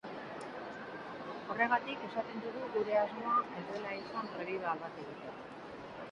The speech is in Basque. Horregatik esaten dugu gure asmoa ez dela izan revival bat egitea.